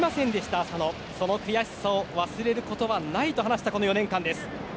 その悔しさを忘れることはないと話した４年間です。